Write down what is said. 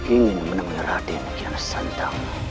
ingin menemui raden kian santang